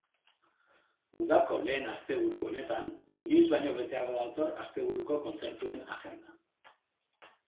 Udako lehen asteburu honetan, inoiz baino beteago dator asteburuko kontzertuen agenda.